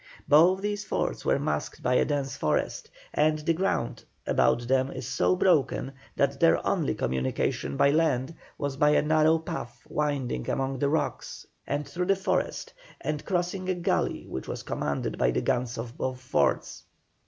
Both these forts were masked by a dense forest, and the ground about them is so broken that their only communication by land was by a narrow path winding among the rocks and through the forest, and crossing a gulley which was commanded by the guns of both forts.